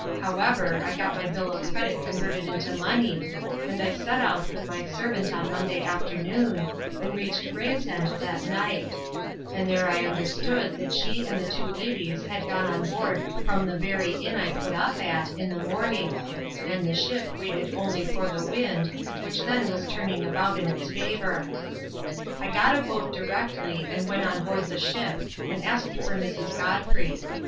However, I got my bill of credit converted into money; and I set out with my servant on Monday afternoon, and reached Gravesend that night; and there I understood that she and the two ladies had gone on board from the very inn I put up at, in the morning; and the ship waited only for the wind, which then was turning about in its favour. I got a boat directly, and went on board the ship, and asked for Mrs. Godfrey.